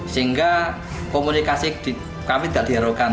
sehingga komunikasi kami tidak diharaukan